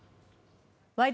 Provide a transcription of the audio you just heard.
「ワイド！